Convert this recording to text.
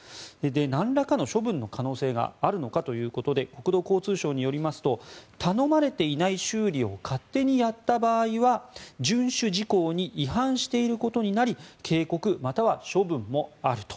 なんらかの処分の可能性があるのかということで国土交通省によりますと頼まれていない修理を勝手にやった場合は順守事項に違反していることになり警告、または処分もあると。